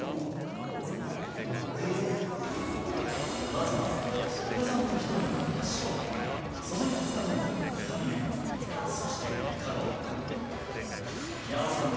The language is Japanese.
まずはお子さんの１人が発症その２日後に２人目がそして３日後稲尾さん